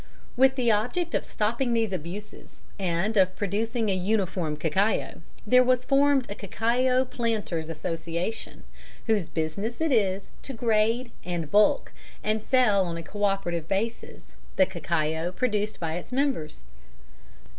With the object of stopping these abuses and of producing a uniform cacao, there was formed a Cacao Planters' Association, whose business it is to grade and bulk, and sell on a co operative basis, the cacao produced by its members.